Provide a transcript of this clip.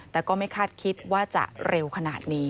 แต่ก็ไม่คาดคิดว่าจะเร็วขนาดนี้